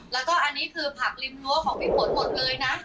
แล้วก็อันนี้คือผักริมรั้วของพี่ฝนหมดเลยนะ